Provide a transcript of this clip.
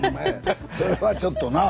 それはちょっとなあ。